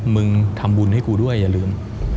มึงทำบุญให้กูด้วยอย่าลืม